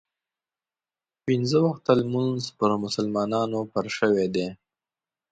پنځه وخته لمونځ پر مسلمانانو فرض شوی دی.